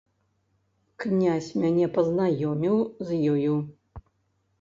Князь мяне пазнаёміў з ёю.